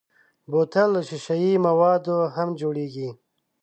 بوتل له ښیښهيي موادو هم جوړېږي.